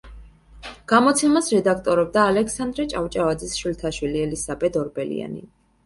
გამოცემას რედაქტორობდა ალექსანდრე ჭავჭავაძის შვილთაშვილი ელისაბედ ორბელიანი.